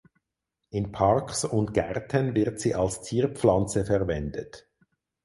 In Parks und Gärten wird sie als Zierpflanze verwendet.